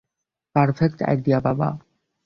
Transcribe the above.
Perfect idea, বাবা।